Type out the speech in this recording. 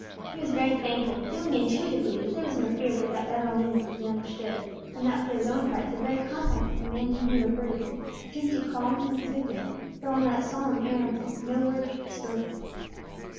He was very thankful, feeling intuitively that there was no fear but that Abenali would be understood, and for his own part, the very contact with the man whom he revered seemed to calm and soothe him, though on that solemn errand no word could be spoken.